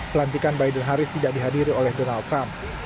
pelantikan biden harris tidak dihadiri oleh donald trump